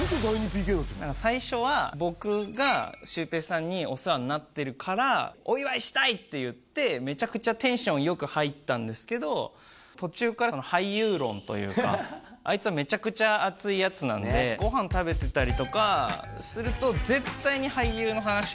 最初は僕がシュウペイさんにお世話になってるからお祝いしたいって言ってめちゃくちゃテンションよく入ったんですけど途中から俳優論というかあいつはめちゃくちゃ熱いやつなんでブワーッて話し始めちゃっていやいや